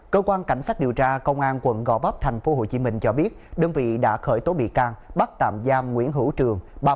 cơ quan cảnh sát điều tra công an quận gò vấp tp hcm cho biết đơn vị đã khởi tố bị can bắt tạm giam nguyễn hữu trường